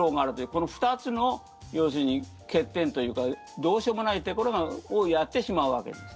この２つの要するに欠点というかどうしようもないところをやってしまうわけです。